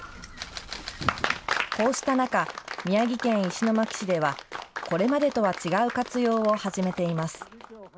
こうした中、宮城県石巻市では、これまでとは違う活用を始めています。